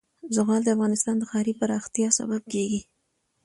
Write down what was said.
زغال د افغانستان د ښاري پراختیا سبب کېږي.